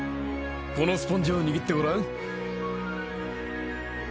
このスポンジを握ってごらん？